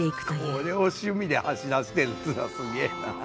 これを趣味で走らせてるっつうのはすげえなぁ。